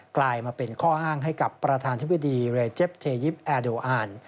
กลายมาเป็นข้ออ้างให้กับประธานธิบดีเรเจฟเทยิปแอร์โดอ่าน